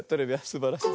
すばらしい。